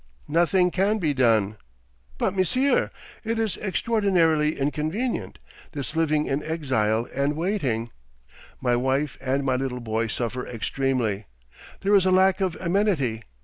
'Nothing can be done.' 'But, Monsieur, it is extraordinarily inconvenient, this living in exile and waiting. My wife and my little boy suffer extremely. There is a lack of amenity.